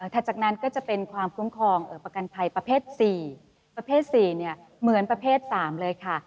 จากนั้นก็จะเป็นความคุ้มครองประกันภัยประเภท๔ประเภท๔เหมือนประเภท๓เลยค่ะ